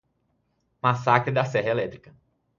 Massacre da serra elétrica